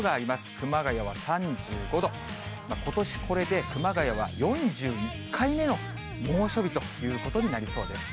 熊谷は３５度、ことし、これで熊谷は４１回目の猛暑日ということになりそうです。